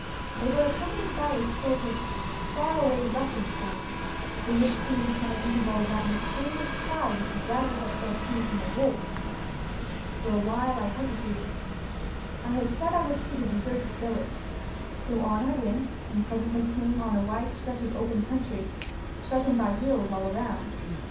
They were accompanied by a sort of far away rushing sound, through which seemed to come at intervals that mysterious cry which the driver had said came from a wolf. For a while I hesitated. I had said I would see the deserted village, so on I went and presently came on a wide stretch of open country, shut in by hills all around.